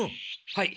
はい。